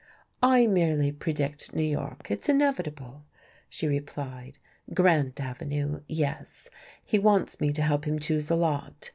"I merely predict New York it's inevitable," she replied. "Grant Avenue, yes; he wants me to help him choose a lot.